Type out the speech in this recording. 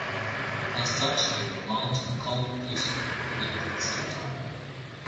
As such they belong to the colorful history of political satire.